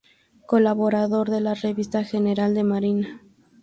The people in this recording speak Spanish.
Colaborador de la Revista General de Marina.